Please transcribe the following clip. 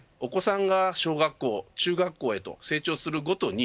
お子さんが小学校、中学校へと成長するごとに